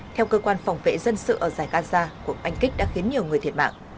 theo cơ quan phòng vệ dân sự ở giải gaza cuộc oanh kích đã khiến nhiều người thiệt mạng